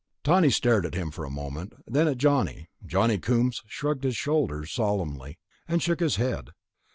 Tawney stared at him for a moment, then at Johnny. Johnny Coombs shrugged his shoulders solemnly, and shook his head.